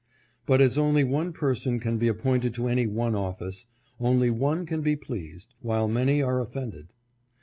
But as only one person can be appointed to any one office, only one can be pleased, while many are offended.